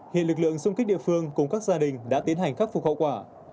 hiện lực lượng xung kích địa phương cùng các gia đình đã tiến hành khắc phục hậu quả